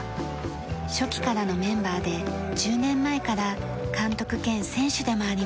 初期からのメンバーで１０年前から監督兼選手でもあります。